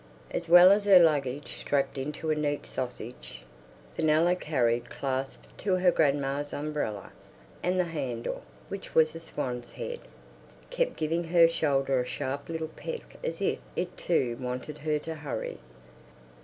As well as her luggage strapped into a neat sausage, Fenella carried clasped to her her grandma's umbrella, and the handle, which was a swan's head, kept giving her shoulder a sharp little peck as if it too wanted her to hurry....